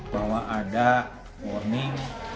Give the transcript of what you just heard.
bahwa ada warning